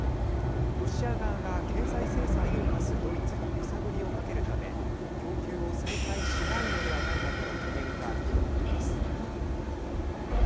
ロシア側が経済制裁を科すドイツに揺さぶりをかけるため供給を再開しないのではないかとの懸念が広がっています。